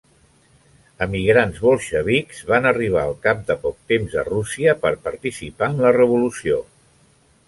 Emigrants bolxevics van arribar al cap de poc temps a Rússia per participar en la revolució.